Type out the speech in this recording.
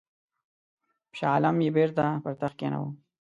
شاه عالم یې بیرته پر تخت کښېناوه.